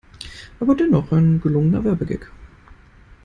Aber dennoch ein gelungener Werbegag.